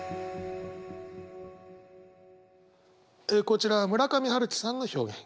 こちらは村上春樹さんの表現。